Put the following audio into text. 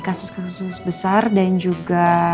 kasus kasus besar dan juga